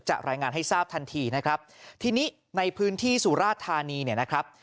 รายงานให้ทราบทันทีนะครับทีนี้ในพื้นที่สุราธานีเนี่ยนะครับ